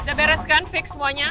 udah beres kan fix semuanya